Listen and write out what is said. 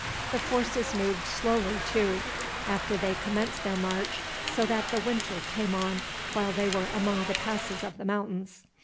The forces moved slowly, too, after they commenced their march, so that the winter came on while they were among the passes of the mountains.